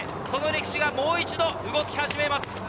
その歴史がもう一度動き始めます。